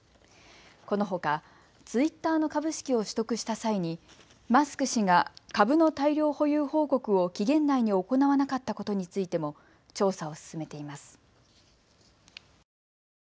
このほかツイッターの株式を取得した際にマスク氏が株の大量保有報告を期限内に行わなかったことについても調査を進めています。